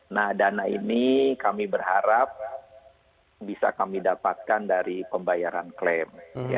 nah dana ini kami berharap bisa kami dapatkan dari pembayaran klaim